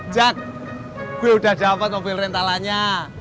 cak gua udah dapet mobil rentalannya